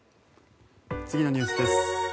次のニュースです。